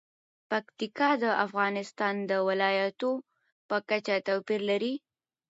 پکتیا د افغانستان د ولایاتو په کچه توپیر لري.